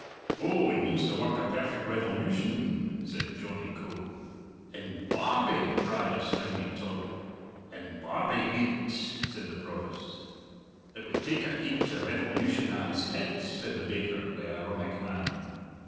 "Ou, he means to work a perfect revolution," said Johnny Coe. "In Barbie!" cried astounded Toddle. "In Barbie e'en't," said the Provost. "It would take a heap to revolutionize hit," said the baker, the ironic man.